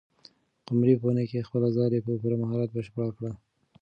قمرۍ په ونې کې خپله ځالۍ په پوره مهارت بشپړه کړه.